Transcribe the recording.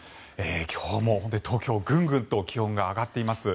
今日も本当に東京、ぐんぐんと気温が上がっています。